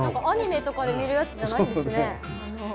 アニメとかで見るやつじゃないんですね